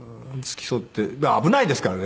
危ないですからね。